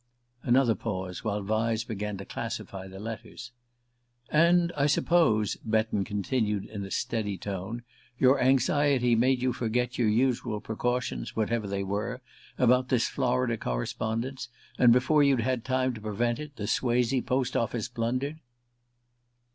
Another pause, while Vyse began to classify the letters. "And I suppose," Betton continued in a steady tone, "your anxiety made you forget your usual precautions whatever they were about this Florida correspondence, and before you'd had time to prevent it the Swazee post office blundered?"